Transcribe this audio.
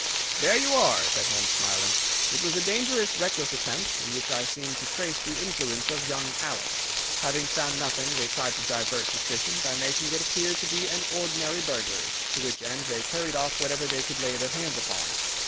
"There you are," said Holmes, smiling. "It was a dangerous, reckless attempt, in which I seem to trace the influence of young Alec. Having found nothing they tried to divert suspicion by making it appear to be an ordinary burglary, to which end they carried off whatever they could lay their hands upon.